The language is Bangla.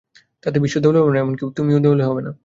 তাতে বিশ্ব দেউলে হবে না, এমন-কি তুমিও দেউলে হবে না।